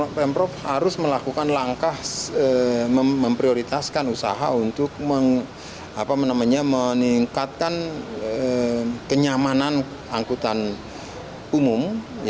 pemprov harus melakukan langkah memprioritaskan usaha untuk meningkatkan kenyamanan angkutan umum